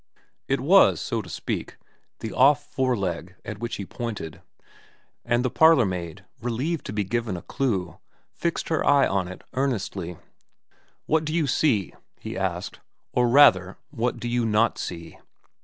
It was, so to speak, the off fore leg at which he pointed, and the parlourmaid, relieved to be given a clue, fixed her eye on it earnestly. ' What do you see ?' he asked. ' Or, rather, what do you not see